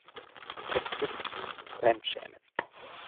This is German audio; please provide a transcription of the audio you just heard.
Es ist zum Fremdschämen.